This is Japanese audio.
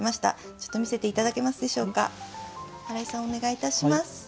お願いいたします。